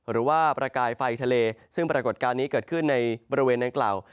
หรือว่าประกายไฟทะเลซึ่งปรากฏการณ์นี้เกิดขึ้นในบริเวณดังกล่าว